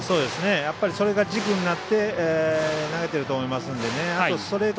それが軸になって投げてると思いますのでストレート